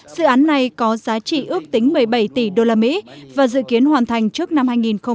dự án này có giá trị ước tính một mươi bảy tỷ đô la mỹ và dự kiến hoàn thành trước năm hai nghìn hai mươi sáu